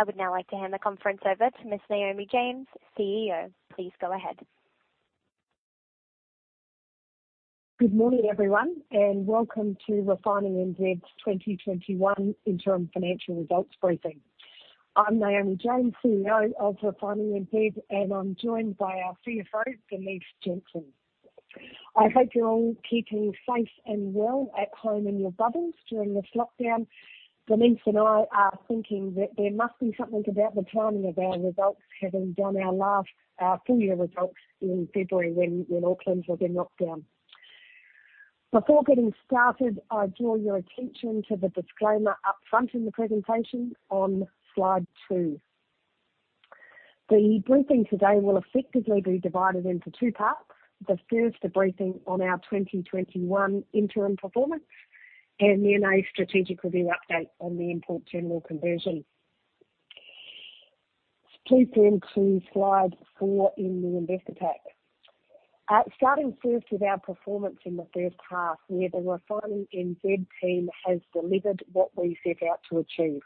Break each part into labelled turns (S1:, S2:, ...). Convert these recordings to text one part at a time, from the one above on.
S1: I would now like to hand the conference over to Ms. Naomi James, CEO. Please go ahead.
S2: Good morning, everyone, welcome to Refining NZ's 2021 interim financial results briefing. I'm Naomi James, CEO of Refining NZ, I'm joined by our CFO, Denise Jensen. I hope you're all keeping safe and well at home in your bubbles during this lockdown. Denise and I are thinking that there must be something about the timing of our results, having done our last full-year results in February when Auckland was in lockdown. Before getting started, I draw your attention to the disclaimer up front in the presentation on slide two. The briefing today will effectively be divided into two parts. The first, a briefing on our 2021 interim performance, then a strategic review update on the import terminal conversion. Please turn to slide four in the investor pack. Starting first with our performance in the first half, where the Refining NZ team has delivered what we set out to achieve.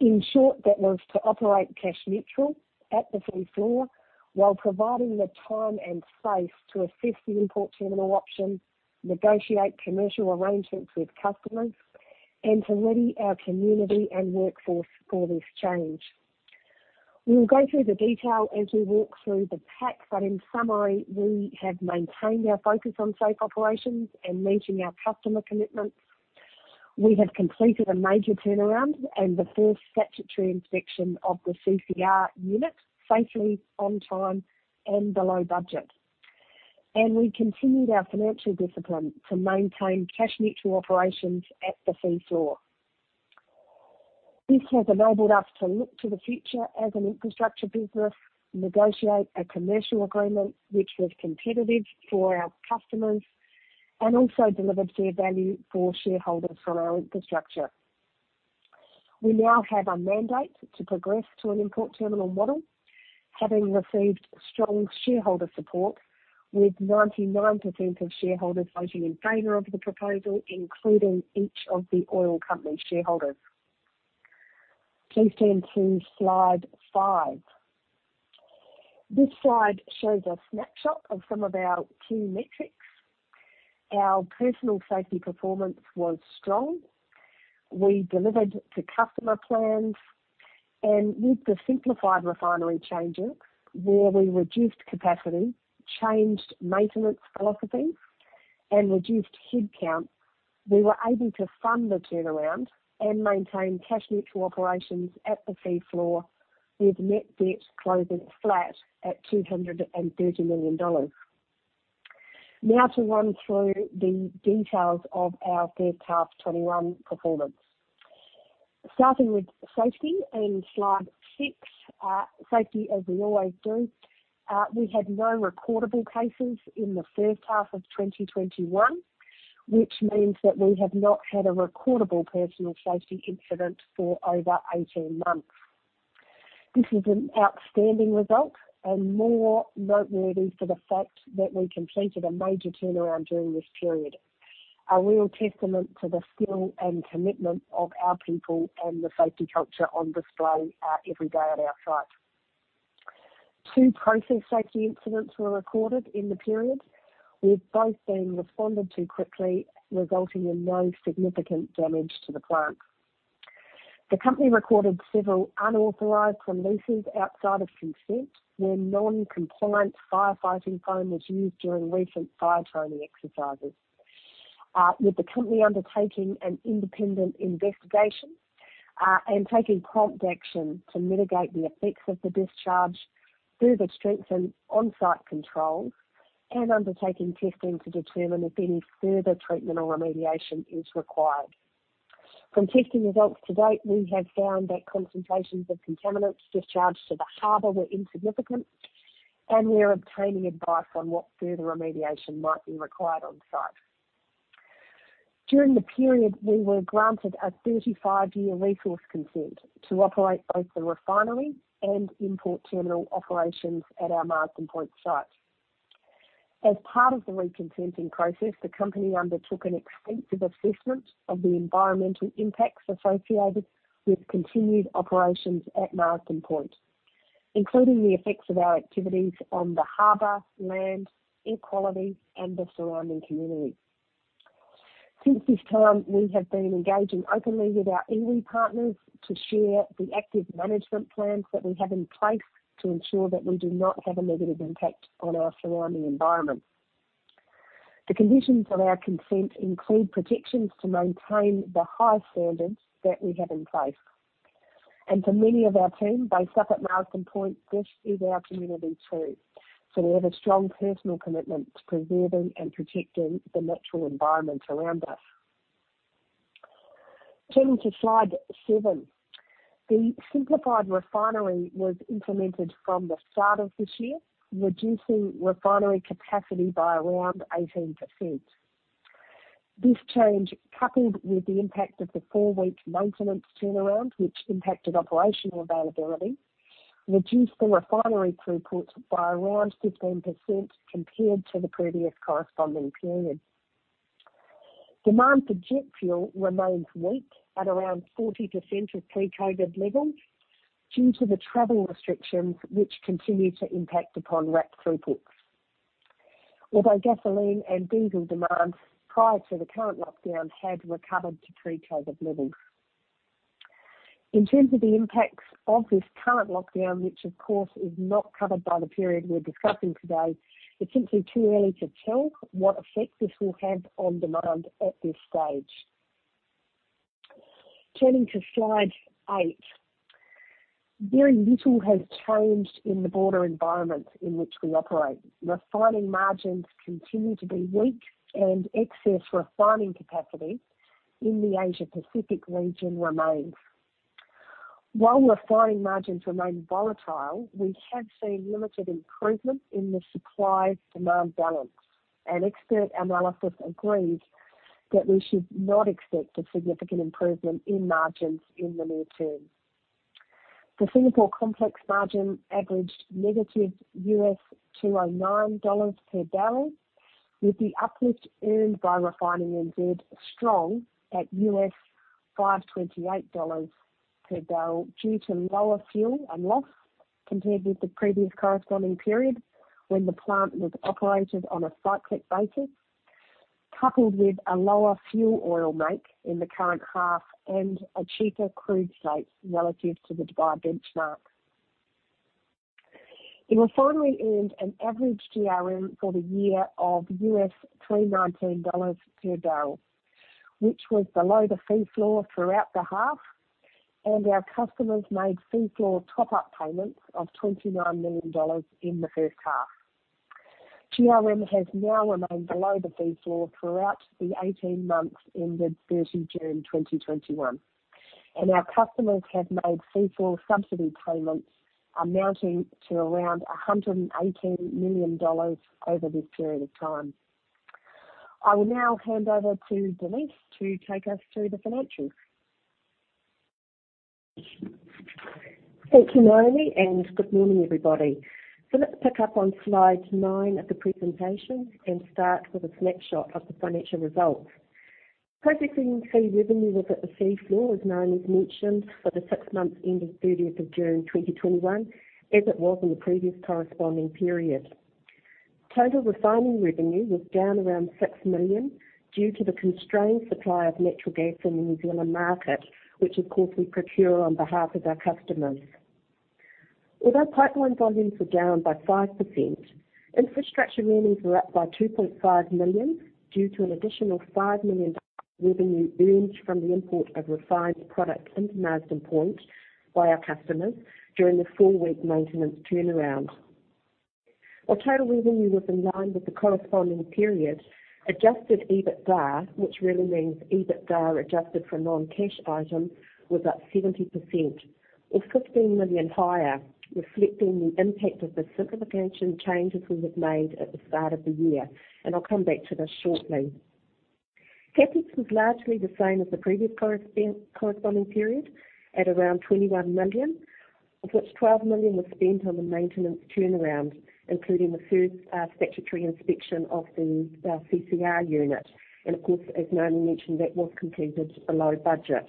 S2: In short, that was to operate cash-neutral at the fee floor, while providing the time and space to assess the import terminal options, negotiate commercial arrangements with customers, and to ready our community and workforce for this change. We will go through the detail as we walk through the pack, but in summary, we have maintained our focus on safe operations and meeting our customer commitments. We have completed a major turnaround and the first statutory inspection of the CCR unit safely, on time, and below budget. We continued our financial discipline to maintain cash-neutral operations at the fee floor. This has enabled us to look to the future as an infrastructure business, negotiate a commercial agreement which was competitive for our customers, and also delivered fair value for shareholders for our infrastructure. We now have a mandate to progress to an import terminal model, having received strong shareholder support, with 99% of shareholders voting in favor of the proposal, including each of the oil company shareholders. Please turn to slide five. This slide shows a snapshot of some of our key metrics. Our personal safety performance was strong. We delivered to customer plans. With the simplified refinery changes, where we reduced capacity, changed maintenance philosophies, and reduced headcount, we were able to fund the turnaround and maintain cash-neutral operations at the fee floor, with net debt closing flat at 230 million dollars. Now to run through the details of our first half 2021 performance. Starting with safety and slide six. Safety, as we always do, we had no recordable cases in the first half of 2021, which means that we have not had a recordable personal safety incident for over 18 months. This is an outstanding result and more noteworthy for the fact that we completed a major turnaround during this period. A real testament to the skill and commitment of our people and the safety culture on display every day at our site. Two process safety incidents were recorded in the period, with both being responded to quickly, resulting in no significant damage to the plant. The company recorded several unauthorized releases outside of consent, where non-compliant firefighting foam was used during recent fire training exercises. With the company undertaking an independent investigation, and taking prompt action to mitigate the effects of the discharge through the strengthened on-site controls and undertaking testing to determine if any further treatment or remediation is required. From testing results to date, we have found that concentrations of contaminants discharged to the harbor were insignificant, and we're obtaining advice on what further remediation might be required on-site. During the period, we were granted a 35-year resource consent to operate both the refinery and import terminal operations at our Marsden Point site. As part of the reconsenting process, the company undertook an extensive assessment of the environmental impacts associated with continued operations at Marsden Point, including the effects of our activities on the harbor, land, air quality, and the surrounding community. Since this time, we have been engaging openly with our iwi partners to share the active management plans that we have in place to ensure that we do not have a negative impact on our surrounding environment. The conditions of our consent include protections to maintain the high standards that we have in place. For many of our team based up at Marsden Point, this is our community too, so we have a strong personal commitment to preserving and protecting the natural environment around us. Turning to slide seven. The simplified refinery was implemented from the start of this year, reducing refinery capacity by around 18%. This change, coupled with the impact of the four-week maintenance turnaround which impacted operational availability, reduced the refinery throughput by around 15% compared to the previous corresponding period. Demand for jet fuel remains weak at around 40% of pre-COVID levels due to the travel restrictions which continue to impact upon rack throughputs. Although gasoline and diesel demand prior to the current lockdown had recovered to pre-COVID levels. In terms of the impacts of this current lockdown, which of course, is not covered by the period we're discussing today, it's simply too early to tell what effect this will have on demand at this stage. Turning to slide eight. Very little has changed in the border environment in which we operate. Refining margins continue to be weak and excess refining capacity in the Asia-Pacific region remains. While refining margins remain volatile, we have seen limited improvement in the supply-demand balance, and expert analysis agrees that we should not expect a significant improvement in margins in the near term. The Singapore complex margin averaged negative $209/bbl, with the uplift earned by Refining NZ strong at $5.28/bbl due to lower fuel and loss compared with the previous corresponding period when the plant was operated on a cyclic basis, coupled with a lower fuel oil make in the current half and a cheaper crude slate relative to the Dubai benchmark. The refinery earned an average GRM for the year of $3.19/bbl, which was below the fee floor throughout the half, and our customers made fee floor top-up payments of 29 million dollars in the first half. GRM has now remained below the fee floor throughout the 18 months ended this June 2021. Our customers have made fee floor subsidy payments amounting to around 118 million dollars over this period of time. I will now hand over to Denise to take us through the financials.
S3: Thank you, Naomi, and good morning, everybody. Let's pick up on slide nine of the presentation and start with a snapshot of the financial results. Processing fee revenue was at the fee floor, as Naomi's mentioned, for the six months ending June 30, 2021, as it was in the previous corresponding period. Total refining revenue was down around 6 million due to the constrained supply of natural gas in the New Zealand market, which of course, we procure on behalf of our customers. Although pipeline volumes were down by 5%, infrastructure earnings were up by 2.5 million due to an additional 5 million dollars revenue earned from the import of refined products into Marsden Point by our customers during the four-week maintenance turnaround. While total revenue was in line with the corresponding period, adjusted EBITDA, which really means EBITDA adjusted for non-cash items, was up 70% or 15 million higher, reflecting the impact of the simplification changes we have made at the start of the year. I'll come back to this shortly. CapEx was largely the same as the previous corresponding period at around 21 million, of which 12 million was spent on the maintenance turnaround, including the first statutory inspection of the CCR unit. Of course, as Naomi mentioned, that was completed below budget.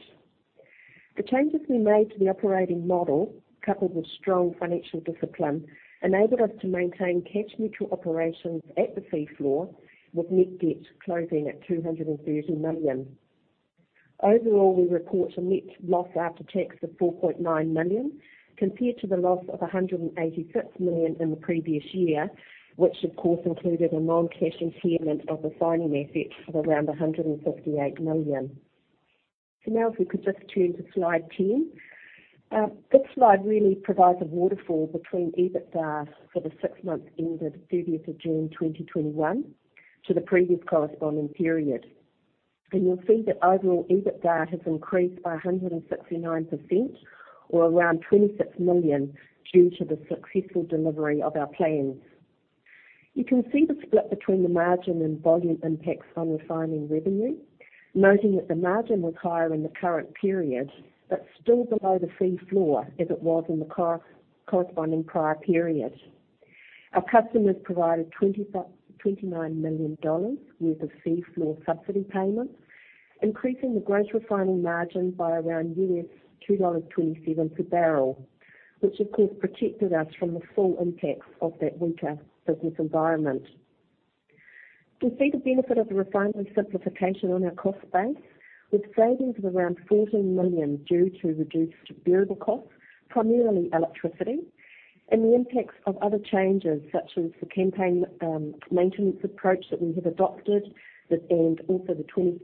S3: The changes we made to the operating model, coupled with strong financial discipline, enabled us to maintain cash neutral operations at the fee floor with net debt closing at 230 million. Overall, we report a net loss after tax of 4.9 million, compared to the loss of 186 million in the previous year, which of course, included a non-cash impairment of refining assets of around 158 million. Now if we could just turn to slide 10. This slide really provides a waterfall between EBITDA for the six months ended June 30th, 2021 to the previous corresponding period. You'll see that overall EBITDA has increased by 169% or around 26 million due to the successful delivery of our plans. You can see the split between the margin and volume impacts on refining revenue, noting that the margin was higher in the current period, but still below the fee floor as it was in the corresponding prior period. Our customers provided 29 million dollars worth of fee floor subsidy payments, increasing the gross refining margin by around $2.27/bbl, which of course, protected us from the full impacts of that weaker business environment. You'll see the benefit of the refinery simplification on our cost base with savings of around 14 million due to reduced variable costs, primarily electricity, and the impacts of other changes such as the campaign maintenance approach that we have adopted, and also the 25%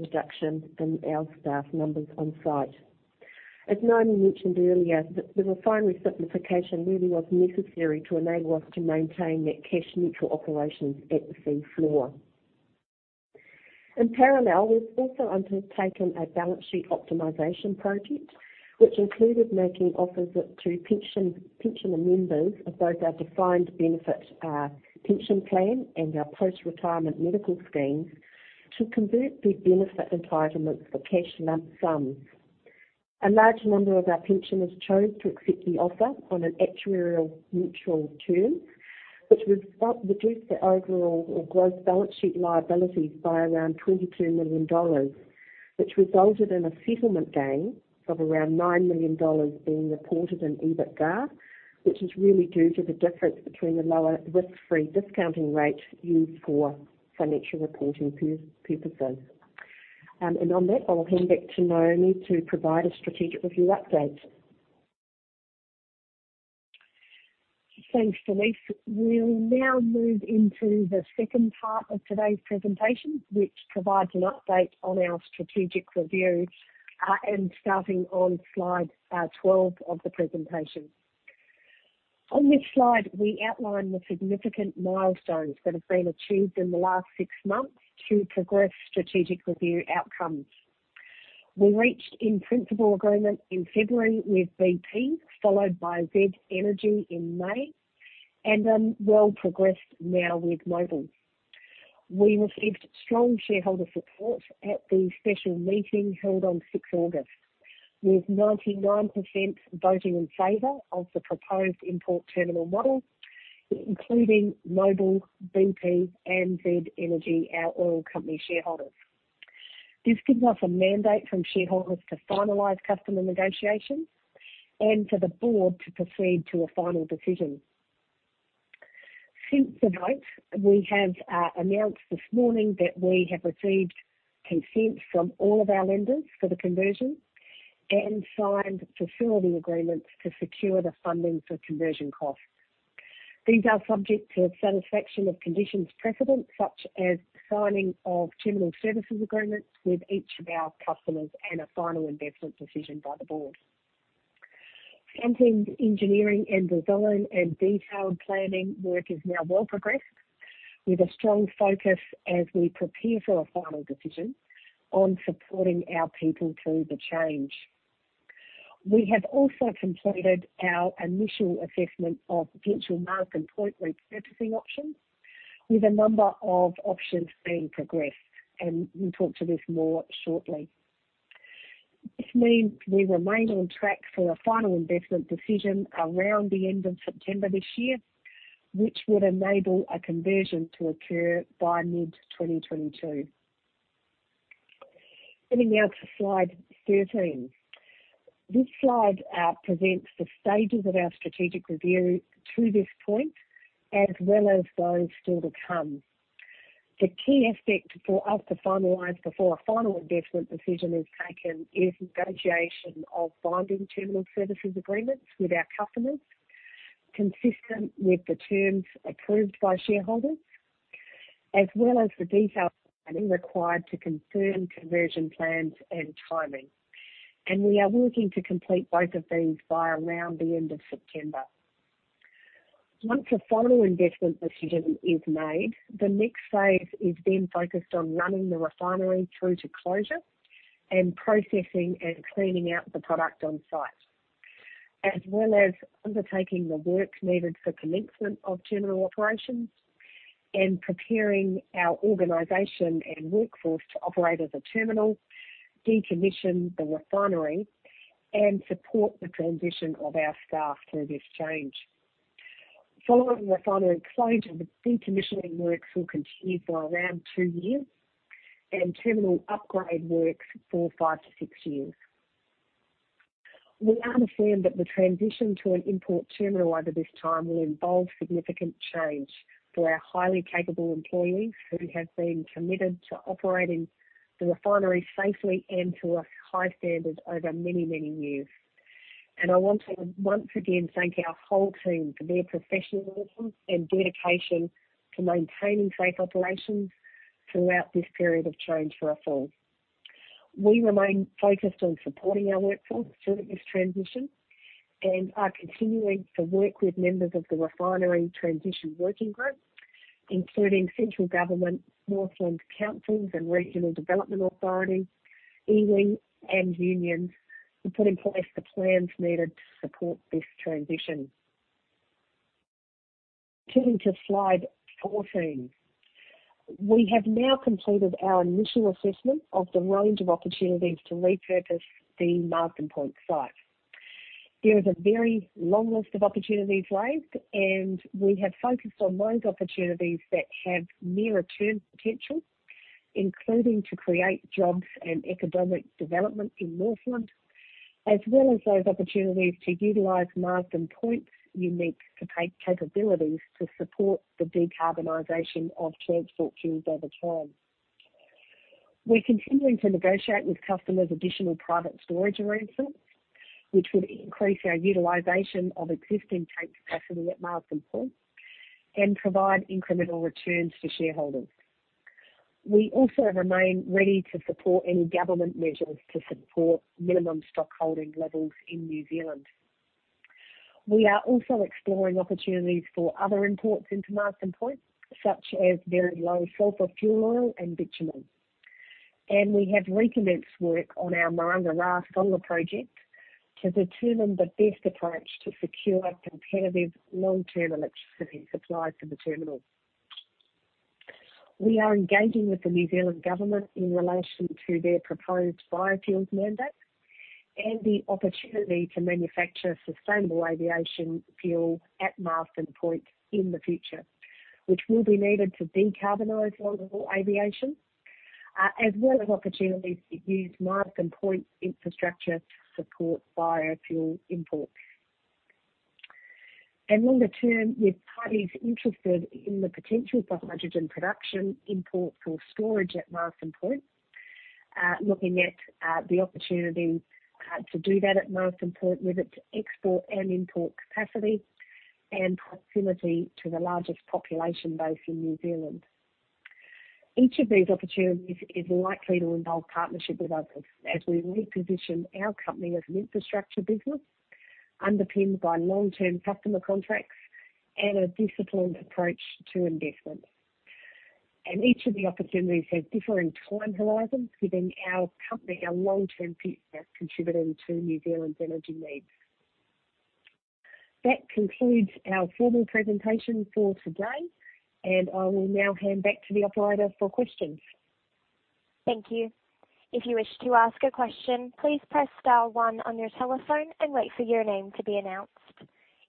S3: reduction in our staff numbers on site. As Naomi James mentioned earlier, the refinery simplification really was necessary to enable us to maintain that cash neutral operations at the fee floor. In parallel, we've also undertaken a balance sheet optimization project, which included making offers to pensioner members of both our defined benefit pension plan and our post-retirement medical schemes to convert their benefit entitlements for cash sums. A large number of our pensioners chose to accept the offer on an actuarial-neutral term, which reduced the overall or gross balance sheet liabilities by around 22 million dollars, which resulted in a settlement gain of around 9 million dollars being reported in EBITDA, which is really due to the difference between the lower risk-free discounting rate used for financial reporting purposes. On that, I'll hand back to Naomi to provide a strategic review update.
S2: Thanks, Denise. We'll now move into the second part of today's presentation, which provides an update on our strategic review, and starting on slide 12 of the presentation. On this slide, we outline the significant milestones that have been achieved in the last six months to progress strategic review outcomes. We reached in-principle agreement in February with BP, followed by Z Energy in May, and are well progressed now with Mobil. We received strong shareholder support at the special meeting held on August 6th, with 99% voting in favor of the proposed import terminal model, including Mobil, BP, and Z Energy, our oil company shareholders. This gives us a mandate from shareholders to finalize customer negotiations and for the board to proceed to a final decision. Since the vote, we have announced this morning that we have received consent from all of our lenders for the conversion and signed facility agreements to secure the funding for conversion costs. These are subject to the satisfaction of conditions precedent, such as signing of terminal services agreements with each of our customers and a final investment decision by the board. Front-end engineering and design and detailed planning work is now well progressed, with a strong focus as we prepare for a final decision on supporting our people through the change. We have also completed our initial assessment of potential Marsden Point repurposing options, with a number of options being progressed, and we will talk to this more shortly. This means we remain on track for a final investment decision around the end of September this year, which would enable a conversion to occur by mid-2022. Moving now to slide 13. This slide presents the stages of our strategic review to this point, as well as those still to come. The key aspect for us to finalize before a final investment decision is taken is negotiation of binding terminal services agreements with our customers, consistent with the terms approved by shareholders, as well as the detailed planning required to confirm conversion plans and timing. We are working to complete both of these by around the end of September. Once a final investment decision is made, the next phase is then focused on running the refinery through to closure and processing and cleaning out the product on-site, as well as undertaking the work needed for commencement of terminal operations and preparing our organization and workforce to operate as a terminal, decommission the refinery, and support the transition of our staff through this change. Following refinery closure, the decommissioning works will continue for around two years, and terminal upgrade works for five to six years. We understand that the transition to an import terminal over this time will involve significant change for our highly capable employees who have been committed to operating the refinery safely and to a high standard over many, many years. I want to once again thank our whole team for their professionalism and dedication to maintaining safe operations throughout this period of change for us all. We remain focused on supporting our workforce through this transition and are continuing to work with members of the Refinery Transition Working Group, including central government, Northland councils and Regional Development Authority, iwi, and unions, to put in place the plans needed to support this transition. Turning to slide 14. We have now completed our initial assessment of the range of opportunities to repurpose the Marsden Point site. There is a very long list of opportunities raised. We have focused on those opportunities that have nearer-term potential, including to create jobs and economic development in Northland, as well as those opportunities to utilize Marsden Point's unique capabilities to support the decarbonization of transport fuels over time. We're continuing to negotiate with customers additional private storage arrangements, which would increase our utilization of existing tank capacity at Marsden Point and provide incremental returns for shareholders. We also remain ready to support any government measures to support minimum stockholding levels in New Zealand. We are also exploring opportunities for other imports into Marsden Point, such as very low sulfur fuel oil and bitumen. We have recommenced work on our Maranga Ra solar project to determine the best approach to secure competitive long-term electricity supply to the terminal. We are engaging with the New Zealand government in relation to their proposed biofuels mandate and the opportunity to manufacture sustainable aviation fuel at Marsden Point in the future, which will be needed to decarbonize longer-haul aviation, as well as opportunities to use Marsden Point infrastructure to support biofuel imports. Longer-term, we're parties interested in the potential for hydrogen production import for storage at Marsden Point, looking at the opportunity to do that at Marsden Point with its export and import capacity and proximity to the largest population base in New Zealand. Each of these opportunities is likely to involve partnership with others as we reposition our company as an infrastructure business underpinned by long-term customer contracts and a disciplined approach to investment. Each of the opportunities has differing time horizons, giving our company a long-term future contributing to New Zealand's energy needs. That concludes our formal presentation for today, and I will now hand back to the operator for questions.
S1: Thank you. If you wish to ask a question, please press star one on your telephone and wait for your name to be announced.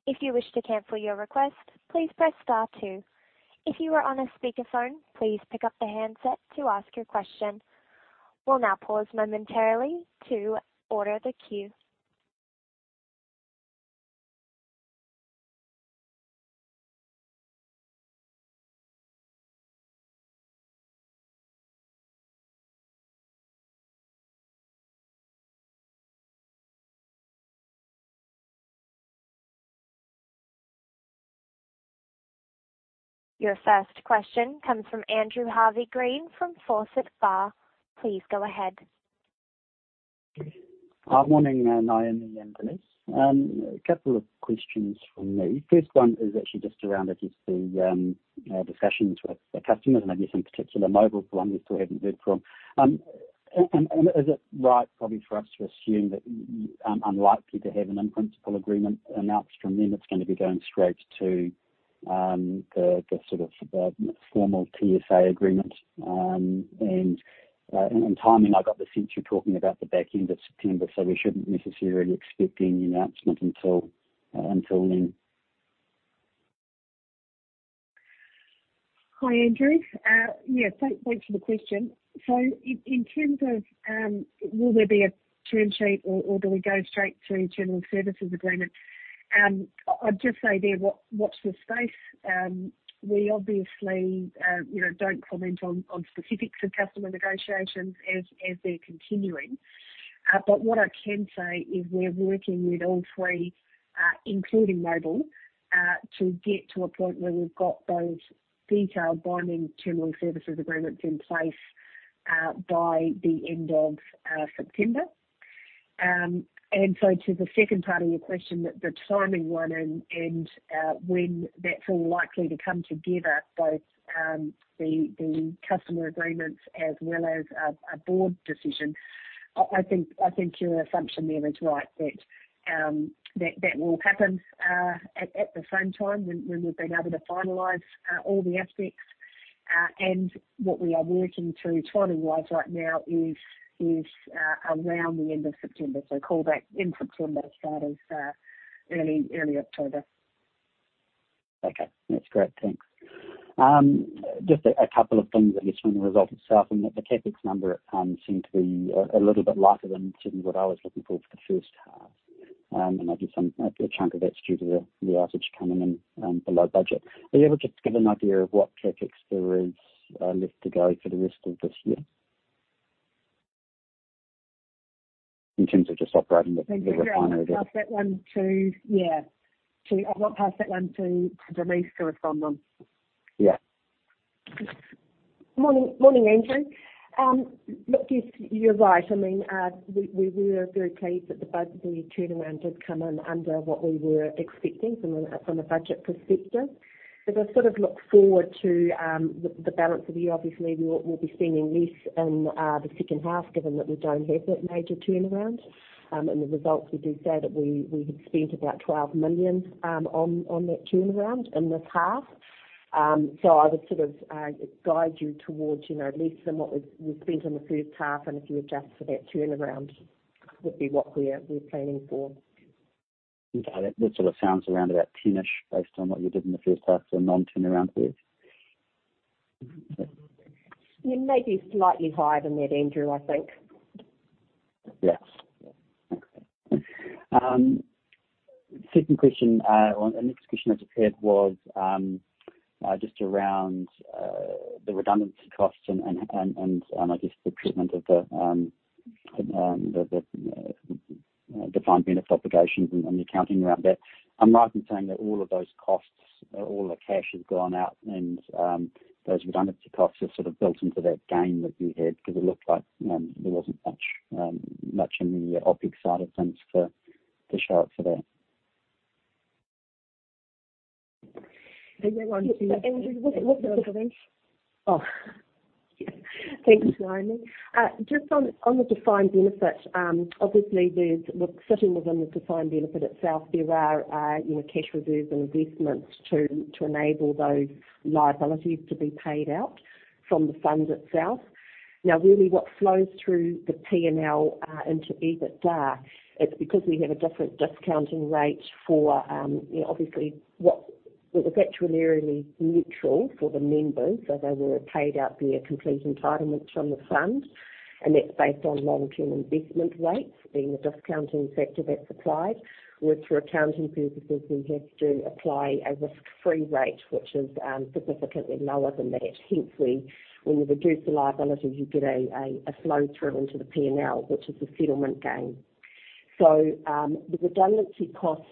S1: If you wish to cancel your request, please press star two. If you are on a speakerphone, please pick up the handset to ask your question. We'll now pause momentarily to order the queue. Your first question comes from Andrew Harvey-Green from Forsyth Barr. Please go ahead.
S4: Good morning, Naomi and Denise. A couple of questions from me. First one is actually just around the discussions with the customers and I guess in particular Mobil is the one we still haven't heard from. Is it right, probably for us to assume that unlikely to have an in-principle agreement announced from them, it's going to be going straight to the sort of formal TSA agreement. Timing, I got the sense you're talking about the back end of September, so we shouldn't necessarily expect any announcement until then.
S2: Hi, Andrew. Yeah. Thanks for the question. In terms of will there be a term sheet or do we go straight to terminal services agreement? I'd just say there, watch this space. We obviously don't comment on specifics of customer negotiations as they're continuing. What I can say is we're working with all three, including Mobil, to get to a point where we've got those detailed binding terminal services agreements in place, by the end of September. To the second part of your question, the timing one and when that's all likely to come together, both the customer agreements as well as a board decision. I think your assumption there is right, that will happen at the same time when we've been able to finalize all the aspects. What we are working to timing-wise right now is around the end of September. Call that in September, start of early October.
S4: Okay. That's great. Thanks. Just a couple of things, I guess, from the result itself and that the CapEx number seemed to be a little bit lighter than certainly what I was looking for for the first half. I guess a chunk of that's due to the outage coming in below budget. Are you able to just give an idea of what CapEx there is left to go for the rest of this year in terms of just operating the refinery there?
S2: I'll pass that one to Denise to respond on.
S4: Yeah.
S3: Morning, Andrew. Look, yes, you're right. We were very pleased that the turnaround did come in under what we were expecting from a budget perspective. As I sort of look forward to the balance of the year, obviously, we'll be spending less in the second half given that we don't have that major turnaround. In the results, we did say that we had spent about 12 million on that turnaround in this half. I would sort of guide you towards less than what we spent in the first half and if you adjust for that turnaround would be what we're planning for.
S4: Okay. That sort of sounds around about 10-ish based on what you did in the first half for a non-turnaround period.
S3: Maybe slightly higher than that, Andrew, I think.
S4: Okay. Second question I just had was, around the redundancy costs and I guess the treatment of the defined benefit obligations and the accounting around that. Am I right in saying that all of those costs, all the cash has gone out and those redundancy costs are built into that gain that you had because it looked like there wasn't much in the OpEx side of things to show for that?
S3: Yeah. Thanks, Naomi. Just on the defined benefit, obviously sitting within the defined benefit itself, there are cash reserves and investments to enable those liabilities to be paid out from the fund itself. Really what flows through the P&L into EBITDA, it's because we have a different discounting rate for obviously what was actuarially neutral for the members. They were paid out their complete entitlements from the fund, and that's based on long-term investment rates being the discounting factor that's applied, where for accounting purposes, we have to apply a risk-free rate, which is significantly lower than that. When you reduce the liability, you get a flow-through into the P&L, which is the settlement gain. The redundancy costs,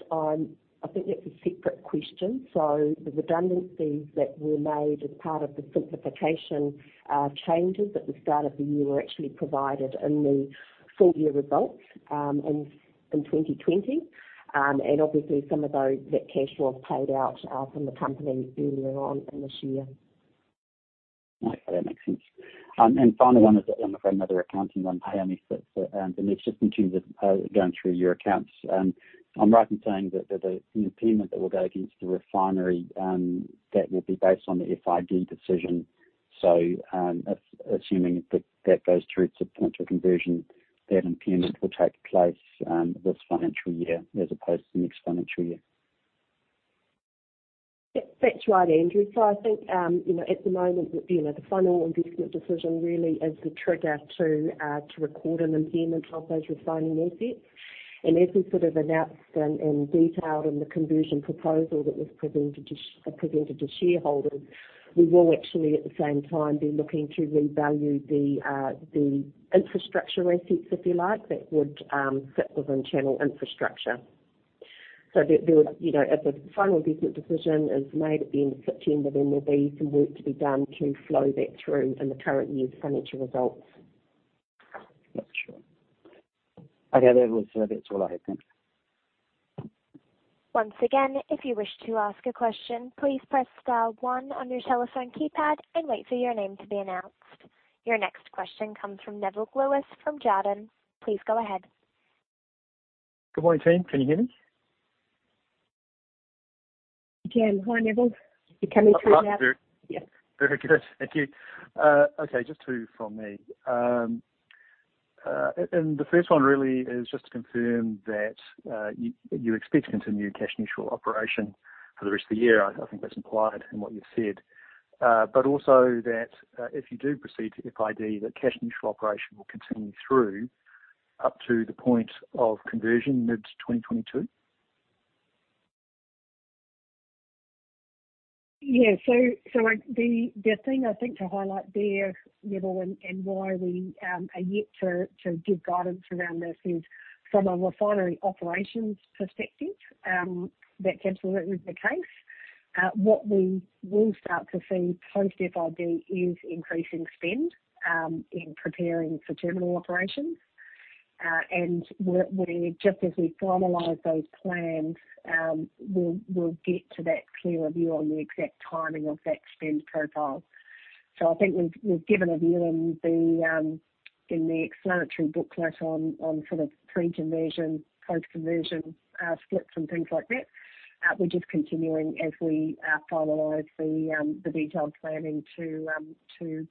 S3: I think that's a separate question. The redundancies that were made as part of the simplification changes at the start of the year were actually provided in the full-year results in 2020. Obviously, some of that cash was paid out from the company earlier on in this year.
S4: Okay. That makes sense. Finally, one for another accounting one, Naomi. It is just in terms of going through your accounts. If I am right in saying that the impairment that will go against the refinery, that will be based on the FID decision. Assuming that goes through to potential conversion, that impairment will take place this financial year as opposed to the next financial year.
S2: That's right, Andrew. I think, at the moment, the final investment decision really is the trigger to record an impairment of those refining assets. As we announced and detailed in the conversion proposal that was presented to shareholders, we will, at the same time, be looking to revalue the infrastructure assets that would sit within Channel Infrastructure. If a final investment decision is made at the end of September, there'll be some work to be done to flow that through in the current year's financial results.
S4: Sure. Okay. That's all I have. Thanks.
S1: Once again, if you wish to ask a question, please press dial one on your telephone keypad and wait for your name to be announced. Your next question comes from Nevill Gluyas from Jarden. Please go ahead.
S5: Good morning, team. Can you hear me?
S2: We can. Hi, Nevill. You're coming through loud.
S5: Loud?
S2: Yes.
S5: Very good. Thank you. Okay, just two from me. The first one really is just to confirm that you expect to continue cash neutral operation for the rest of the year. I think that's implied in what you've said. Also that if you do proceed to FID, that cash neutral operation will continue through up to the point of conversion mid-2022?
S2: The thing I think to highlight there, Nevill, and why we are yet to give guidance around this is from a refinery operations perspective, that absolutely is the case. What we will start to see post-FID is increasing spend in preparing for terminal operations. Just as we finalize those plans, we will get to that clear view on the exact timing of that spend profile. I think we have given a view in the explanatory booklet on sort of pre-conversion, post-conversion splits and things like that. We are just continuing as we finalize the detailed planning to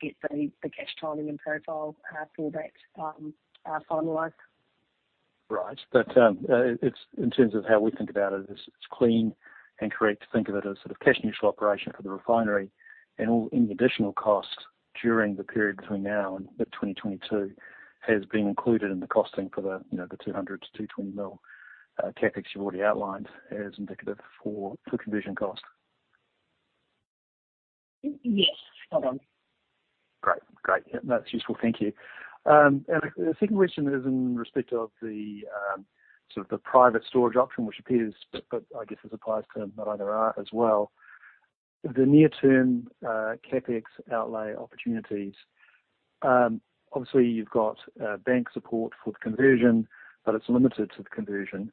S2: get the cash timing and profile for that finalized.
S5: Right. In terms of how we think about it's clean and correct to think of it as sort of cash neutral operation for the refinery and any additional cost during the period between now and mid-2022 has been included in the costing for the 200 million-220 million CapEx you've already outlined as indicative for conversion cost.
S2: Yes. Spot on.
S5: Great. That's useful. Thank you. The second question is in respect of the private storage option, which appears, but I guess this applies to Maranga Ra as well. The near-term CapEx outlay opportunities. Obviously, you've got bank support for the conversion, but it's limited to the conversion.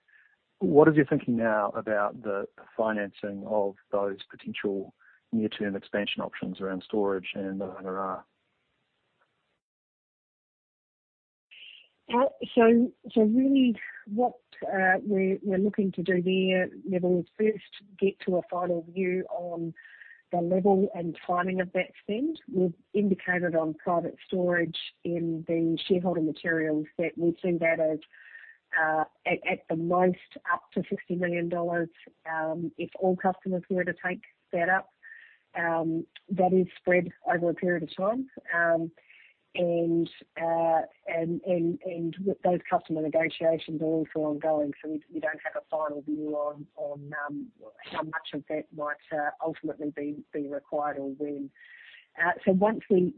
S5: What is your thinking now about the financing of those potential near-term expansion options around storage and Maranga Ra?
S2: Really, what we're looking to do there, Nevill, is first get to a final view on the level and timing of that spend. We've indicated on private storage in the shareholder materials that we see that as at the most up to 60 million dollars if all customers were to take that up. That is spread over a period of time. Those customer negotiations are also ongoing. We don't have a final view on how much of that might ultimately be required or when. Once we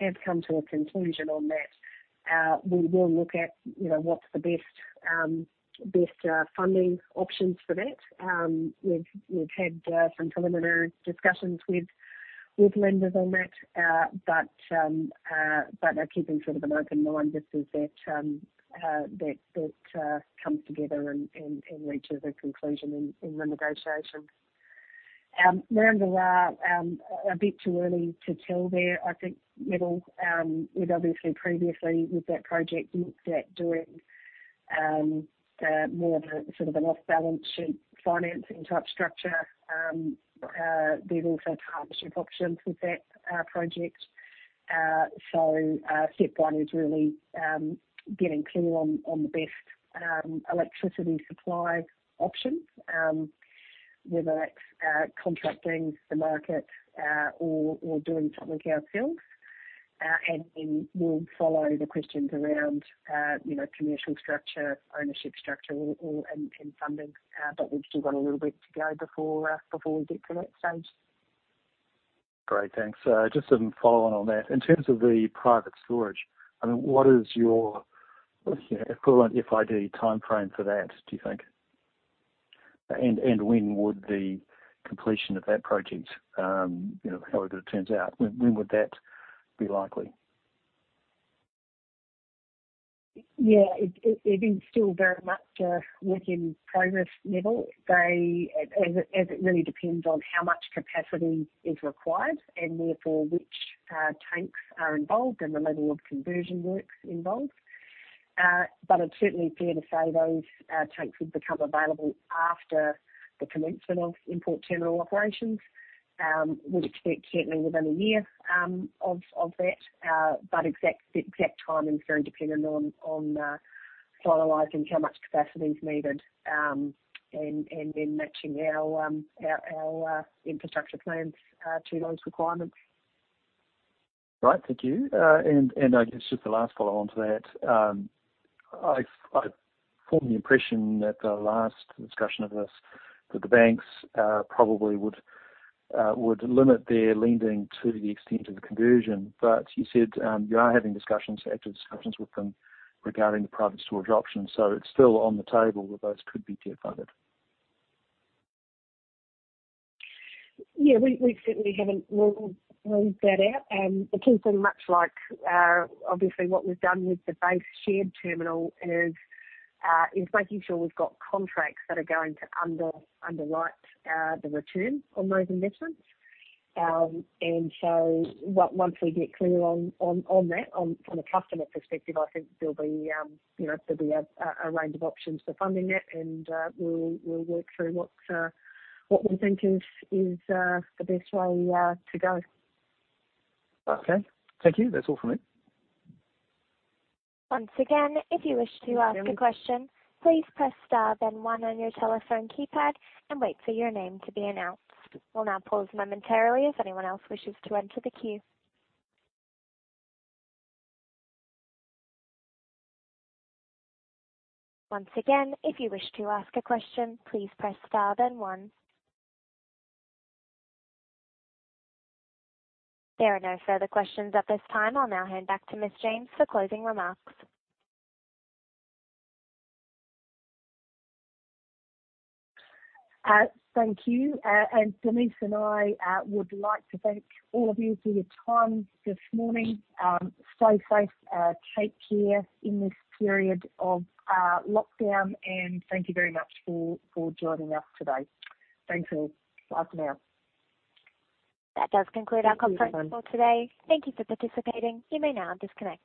S2: have come to a conclusion on that, we will look at what's the best funding options for that. We've had some preliminary discussions with lenders on that, but are keeping sort of an open mind just as that comes together and reaches a conclusion in the negotiations. Maranga is a bit too early to tell there. I think Nevill had obviously previously with that project looked at doing more of a sort of an off-balance-sheet financing type structure. There's also partnership options with that project. Step one is really getting clear on the best electricity supply options, whether that's contracting the market or doing something ourselves. Then we'll follow the questions around commercial structure, ownership structure, and funding. We've still got a little bit to go before we get to that stage.
S5: Great, thanks. Just some follow on that. In terms of the private storage, what is your equivalent FID timeframe for that, do you think? When would the completion of that project, however it turns out, when would that be likely?
S2: Yeah. It is still very much a work in progress, Nevill. It really depends on how much capacity is required and therefore which tanks are involved and the level of conversion work involved. It's certainly fair to say those tanks would become available after the commencement of import terminal operations. We'd expect certainly within a year of that. Exact timing is very dependent on finalizing how much capacity is needed, and then matching our infrastructure plans to those requirements.
S5: Right. Thank you. I guess just the last follow-on to that. I formed the impression at the last discussion of this that the banks probably would limit their lending to the extent of the conversion. You said you are having active discussions with them regarding the private storage options. It's still on the table that those could be debt-funded.
S2: Yeah. We certainly haven't ruled that out. The key thing, much like obviously what we've done with the base shared terminal, is making sure we've got contracts that are going to underwrite the return on those investments. Once we get clear on that, from a customer perspective, I think there'll be a range of options for funding that, and we'll work through what we think is the best way to go.
S5: Okay. Thank you. That's all from me.
S1: Once again, if you wish to ask a question, please press star then one on your telephone keypad and wait for your name to be announced. We'll now pause momentarily as anyone else wishes to enter the queue. Once again, if you wish to ask a question, please press star then one. There are no further questions at this time. I'll now hand back to Ms. James for closing remarks.
S2: Thank you. Denise and I would like to thank all of you for your time this morning. Stay safe, take care in this period of lockdown, and thank you very much for joining us today. Thanks all. Bye for now.
S1: That does conclude our conference call today. Thank you for participating. You may now disconnect.